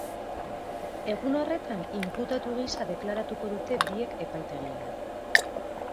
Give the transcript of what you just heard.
Egun horretan inputatu gisa deklaratuko dute biek epaitegian.